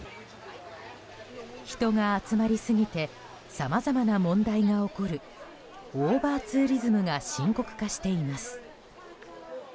人が集まりすぎてさまざまな問題が起こるオーバーツーリズムが深刻化しています。